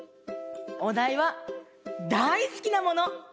おだいはだいすきなもの！